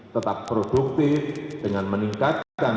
tetap produktif dengan meningkatkan